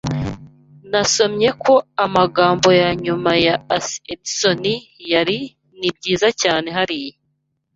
Nasomye ko amagambo ya nyuma ya asi Edison yari "Nibyiza cyane hariya."